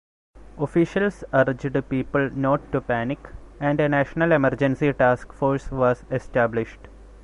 Officials urged people not to panic, and a national emergency task force was established.